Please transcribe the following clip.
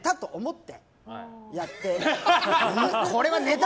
って。